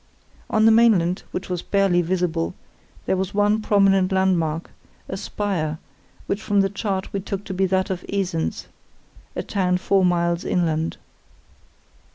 On the mainland, which was barely visible, there was one very prominent landmark, a spire, which from the chart we took to be that of Esens, a town four miles inland.